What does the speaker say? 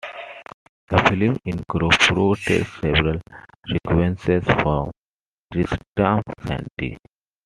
The film incorporates several sequences from "Tristram Shandy".